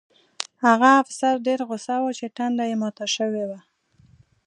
هغه افسر ډېر غوسه و چې ټنډه یې ماته شوې وه